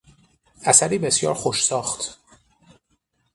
اثری بسیار خوش ساخت